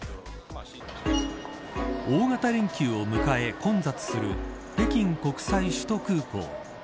大型連休を迎え混雑する北京国際首都空港。